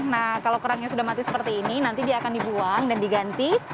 nah kalau kerangnya sudah mati seperti ini nanti dia akan dibuang dan diganti